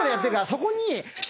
そこに。